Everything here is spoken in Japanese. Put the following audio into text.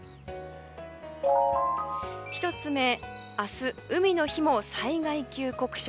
１つ目明日、海の日も災害級酷暑。